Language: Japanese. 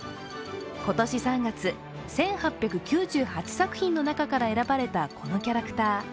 今年３月、１８９８作品の中から選ばれたこのキャラクター。